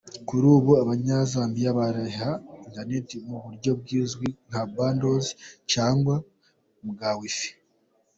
Kuri ubu, Abanyazambia bariha interineti mu buryo buzwi nka "bundles" cyangwa ubwa wi-fi.